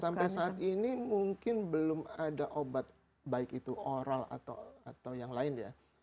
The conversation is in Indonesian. sampai saat ini mungkin belum ada obat baik itu oral atau yang lain ya